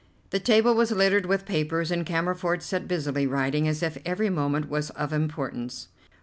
The table was littered with papers, and Cammerford sat busily writing as if every moment was of importance.